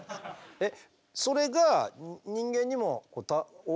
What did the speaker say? えっ！